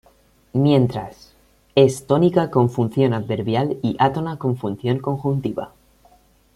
Mientras: es tónica con función adverbial y átona con función conjuntiva.